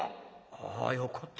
あよかった。